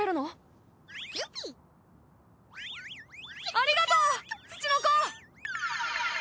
ありがとうツチノコ！